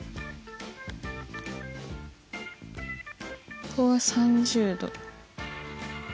ここは３０°。